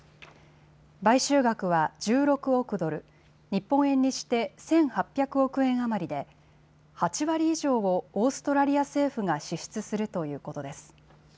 買収額は１６億ドル、日本円にして１８００億円余りで８割以上をオーストラリア政府が支出するということです。